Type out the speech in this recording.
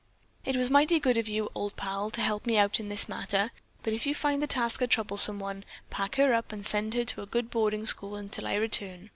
"It was mighty good of you, old pal, to help me out in this matter, but if you find the task a troublesome one, pack her up and send her to a good boarding school until I return.